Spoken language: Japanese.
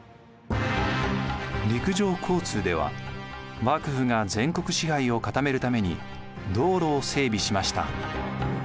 陸上交通では幕府が全国支配を固めるために道路を整備しました。